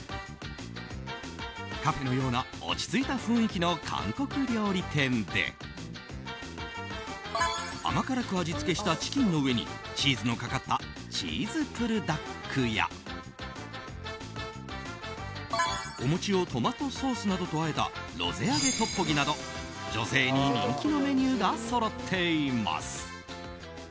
カフェのような落ち着いた雰囲気の韓国料理店で甘辛く味付けしたチキンの上にチーズのかかったチーズブルダックやお餅をトマトソースなどとあえたロゼ揚げトッポギなど女性に人気のメニューがそろっています。